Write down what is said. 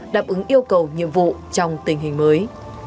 đáp ứng yêu cầu nhiệm vụ trong tình hình mới